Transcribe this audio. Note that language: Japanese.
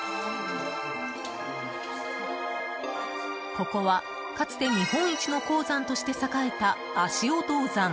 ここは、かつて日本一の鉱山として栄えた足尾銅山。